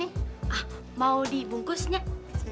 terima kasih banyak ugu detiknya ya ibu mami